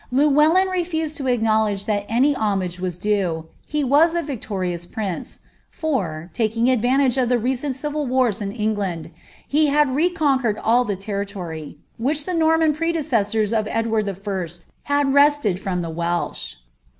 Llewellyn relused lo ackoov ledge thai any homage was due; he was a viclotiuus prince, for, lakinf advantage of Uie recent civil wars in England, he had reconqucrml all tht territory, which the Norman predecessors of Edward 1. had wrested fran the Welsh.